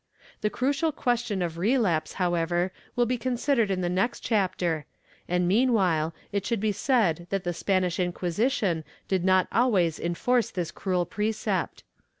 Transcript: ^ The crucial question of relapse, however, will be considered in the next chapter and meanwhile it should be said that the Spanish Inquisition did not always enforce this cruel precept.